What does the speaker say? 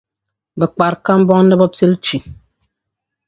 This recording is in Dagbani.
Bɛ kpari kambɔŋ ni bɛ pili chi.